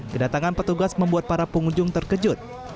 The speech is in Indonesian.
kedatangan petugas membuat para pengunjung terkejut